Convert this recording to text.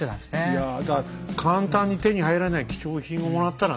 いやだから簡単に手に入らない貴重品をもらったらね